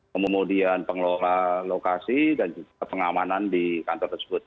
kemudian pengelola lokasi dan juga pengamanan di kantor tersebut